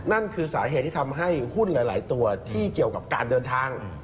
นั่นคือสาเหตุที่ทำให้หุ้นหลายตัวที่เกี่ยวกับการเดินทาง